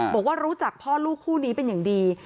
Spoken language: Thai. บอกว่ารู้จักพ่อลูกคู่นี้เป็นอย่างดี